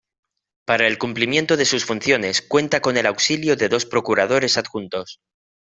Para el cumplimiento de sus funciones, cuenta con el auxilio de dos Procuradores adjuntos.